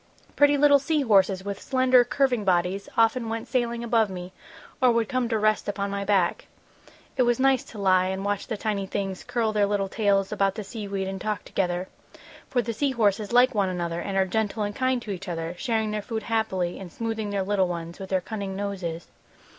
"Pretty little sea horses with slender, curving bodies often went sailing above me, or would come to rest upon my back. It was nice to lie and watch the tiny things curl their little tails about the sea weed and talk together, for the sea horses like one another and are gentle and kind to each other, sharing their food happily and smoothing their little ones with their cunning noses.